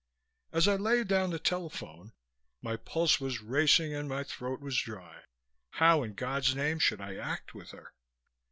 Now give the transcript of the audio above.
As I laid down the telephone, my pulse was racing and my throat was dry. How in God's name should I act with her?